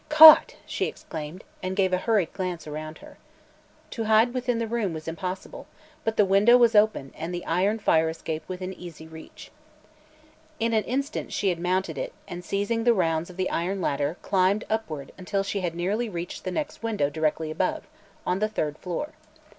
"Caught!" she exclaimed, and gave a hurried glance around her. To hide within the room was impossible, but the window was open and the iron fire escape within easy reach. In an instant she had mounted it and seizing the rounds of the iron ladder climbed upward until she had nearly reached the next window directly above, on the third floor.